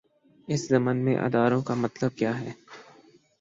اس ضمن میں اداروں کا مطلب کیا ہے؟